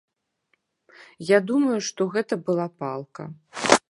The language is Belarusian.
Я думаю, што гэта была палка.